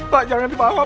pak jangan dibawa pak